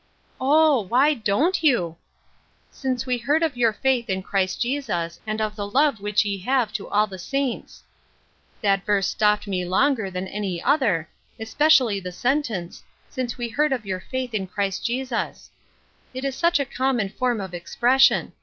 " Oh, why don't you ?' Since we heard of your faith in Christ Jesus, and cf the love which ye have to all the saints.' That vers^ 180 Ruth Erskine^s Crosses. stopped me longer than any other, especially the sentence :* Since we heard of your faith in Christ Jesus '— it is such a common form of fixpression.